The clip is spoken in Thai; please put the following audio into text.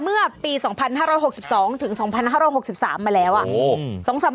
เมื่อปี๒๕๖๒ถึง๒๕๖๓มาแล้วอะโอ้โฮ